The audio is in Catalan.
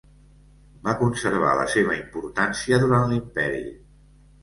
Va conservar la seva importància durant l'imperi.